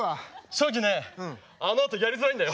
正直ねあのあとやりづらいんだよ！